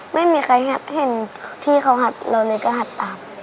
ไม่มีใครเห็นพี่เขาหัดเรานี่ก็หัดตาม